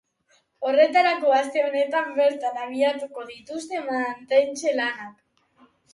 Horretarako, aste honetan bertan abiatuko dituzte mantentze lanak.